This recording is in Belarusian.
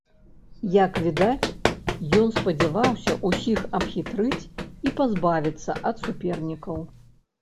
Як відаць, ён спадзяваўся ўсіх абхітрыць і пазбавіцца ад супернікаў.